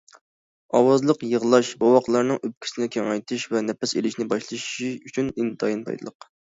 ئاۋازلىق يىغلاش- بوۋاقلارنىڭ ئۆپكىسىنى كېڭەيتىش ۋە نەپەس ئېلىشنى باشلىشى ئۈچۈن ئىنتايىن پايدىلىق.